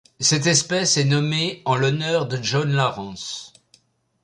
Cette espèce est nommée en l'honneur de John Lawrence.